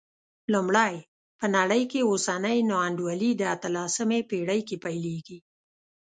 لومړی، په نړۍ کې اوسنۍ نا انډولي د اتلسمې پېړۍ کې پیلېږي.